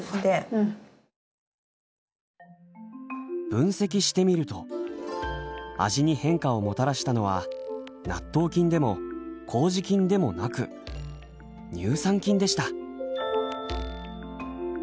分析してみると味に変化をもたらしたのは納豆菌でも麹菌でもなく乳酸菌でした。